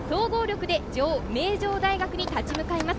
女王・名城大学に立ち向かいます。